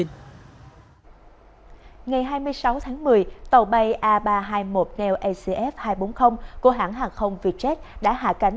ngày hai mươi sáu tháng một mươi tàu bay a ba trăm hai mươi một nlacf hai trăm bốn mươi của hãng hàng không vietjet đã hạ cánh